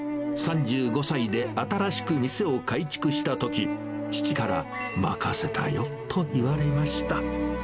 ３５歳で新しく店を改築したとき、父から、任せたよと言われました。